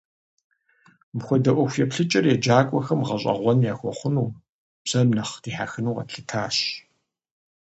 Мыпхуэдэ ӏуэху еплъыкӏэр еджакӀуэхэм гъэщӀэгъуэн ящыхъуну, бзэм нэхъ дихьэхыну къэтлъытащ.